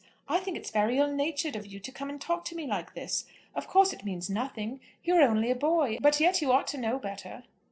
I think it's very ill natured of you to come and talk to me like this. Of course it means nothing. You are only a boy, but yet you ought to know better."